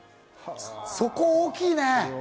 そこは大きいね。